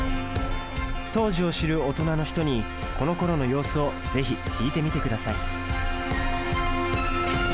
当時を知る大人の人にこのころの様子を是非聞いてみてください。